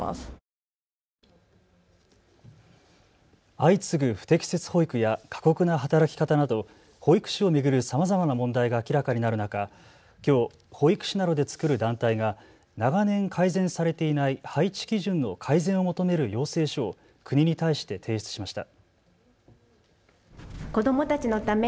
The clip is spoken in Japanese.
相次ぐ不適切保育や過酷な働き方など、保育士を巡るさまざまな問題が明らかになる中、きょう保育士などで作る団体が長年改善されていない配置基準の改善を求める要請書を国に対して提出しました。